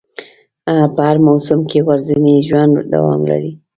په هر موسم کې ورځنی ژوند دوام لري